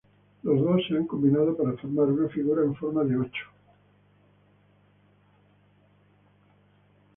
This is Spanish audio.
Los dos se han combinado para formar una figura con forma de ocho.